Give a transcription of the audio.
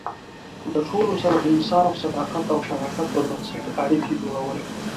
د ټولو سره د انصاف، صداقت او شراکت پر بنسټ اړیکې جوړول.